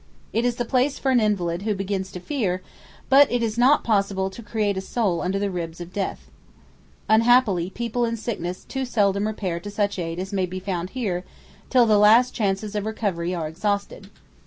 It is the place for an invalid who begins to fear, but it is not possible to "create a soul under the ribs of death." Unhappily, people in sickness too seldom repair to such aid as may here be found till the last chances of recovery are exhausted.